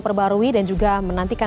perbarui dan juga menantikan